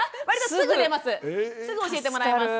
すぐ教えてもらえます。